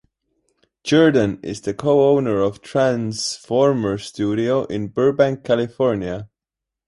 Jerden is the co-owner of Tranzformer Studio in Burbank, California.